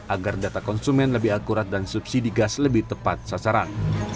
agar data konsumen lebih akurat dan subsidi gas lebih tepat sasaran